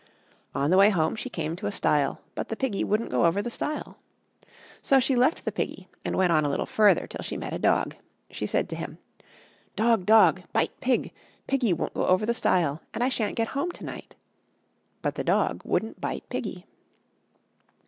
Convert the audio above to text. On the way home she came to a stile; but the piggy wouldn't go over the stile. So she left the piggy and went on a little further, till she met a dog. She said to him, "Dog, dog, bite pig; piggy won't go over the stile; and I sha'n't get home to night." But the dog wouldn't bite piggy.